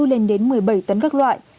lên đến một mươi bảy tấn các loại